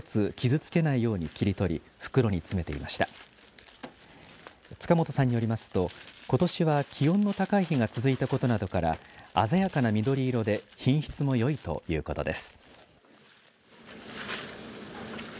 つか本さんによりますとことしは気温の高い日が続いたことなどから鮮やかな緑色で品質もよいということです。